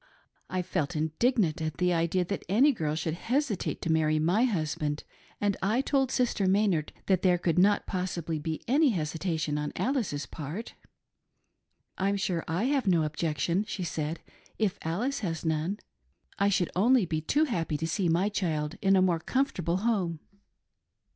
" I felt indignant at the idea that any girl should hesitate to marry my husband, and I told Sister Maynard that there could not possibly be any hesitation on Alice's part. ' I'm sure I have no objection,',she said, 'if Alice has none. I should only be too happy to see my child in a more comfortable home.'